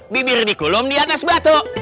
bibir dikulum di atas batu